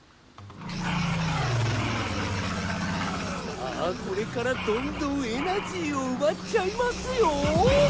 さあこれからどんどんエナジーをうばっちゃいますよ！